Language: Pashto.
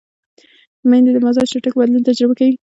مېندې د مزاج چټک بدلون تجربه کوي.